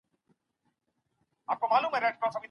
د دېوان سالارۍ پایلې به څه وي؟